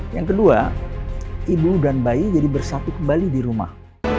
yang kedua ibu dan bayi jadi bersatu kembali di rumah